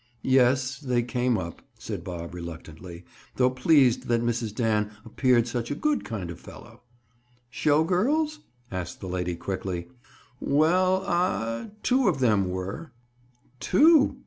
"Yes, they came up," said Bob reluctantly, though pleased that Mrs. Dan appeared such a good kind of fellow. "Show girls?" asked the lady quickly. "Well—ah!—two of them were." "Two?